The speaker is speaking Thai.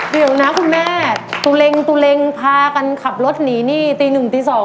เรียกรึนะคุณแม่ตุริงตุริงพากันขับรถหนีนี่ตีหนึ่มตีสอง